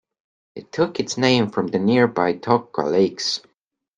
It took its name from the nearby Toqua lakes.